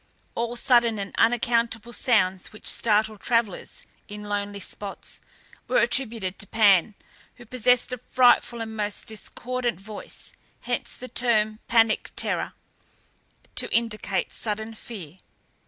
All sudden and unaccountable sounds which startle travellers in lonely spots, were attributed to Pan, who possessed a frightful and most discordant voice; hence the term _pan_ic terror, to indicate sudden fear.